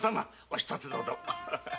おひとつどうぞ。